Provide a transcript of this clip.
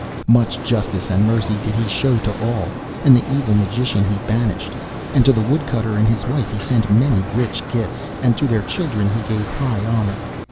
Much justice and mercy did he show to all, and the evil Magician he banished, and to the Woodcutter and his wife he sent many rich gifts, and to their children he gave high honour.